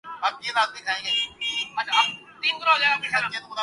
مجھے گھر پہنچنے میں زیادہ دیر نہ لگی